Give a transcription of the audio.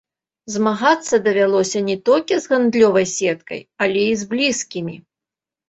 Змагацца давялося не толькі з гандлёвай сеткай, але і з блізкімі.